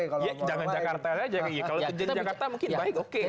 iya jangan jakarta aja kalau tujuan jakarta mungkin baik oke